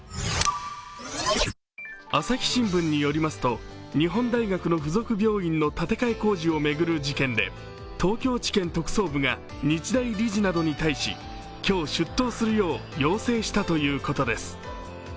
朝日新聞によりますと日本大学の付属病院の建て替え工事を巡る事件で東京地検特捜部が日大理事などに対し今日、出頭するよう要請したということです。